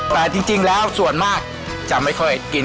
แต่จริงแล้วส่วนมากจะไม่ค่อยกิน